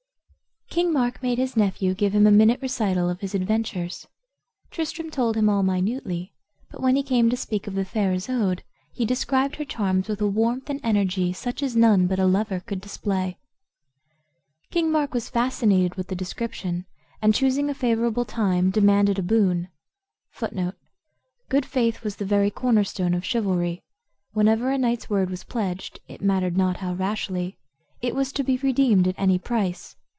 King Mark made his nephew give him a minute recital of his adventures. Tristram told him all minutely; but when he came to speak of the fair Isoude he described her charms with a warmth and energy such as none but a lover could display. King Mark was fascinated with the description, and, choosing a favorable time, demanded a boon[Footnote: "Good faith was the very corner stone of chivalry. Whenever a knight's word was pledged (it mattered not how rashly) it was to be redeemed at any price.